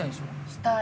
したい。